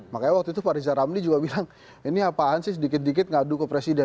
makanya waktu itu pak riza ramli juga bilang ini apaan sih sedikit dikit ngadu ke presiden